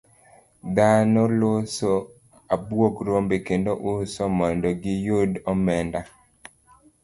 Dhano loso abuog rombe kendo uso mondo giyud omenda.